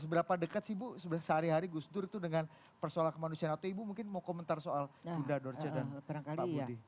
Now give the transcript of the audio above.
seberapa dekat sih bu sehari hari gus dur itu dengan persoalan kemanusiaan atau ibu mungkin mau komentar soal bunda dorce dan pak budi